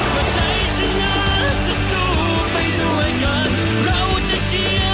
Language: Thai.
เราจะแชร์บันไทย